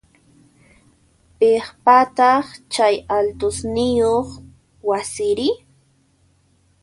Piqpataq chay altosniyoq wasiri?